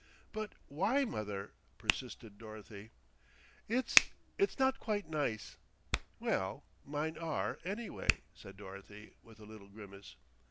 "But why, mother?" persisted Dorothy. "It's it's not quite nice." "Well, mine are, anyway," said Dorothy with a little grimace.